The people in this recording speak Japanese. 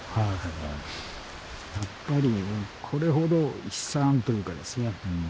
やっぱりこれほど悲惨というかですね